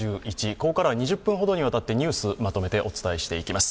ここからは２０分ほどにわたってニュース、まとめてお伝えしていきます。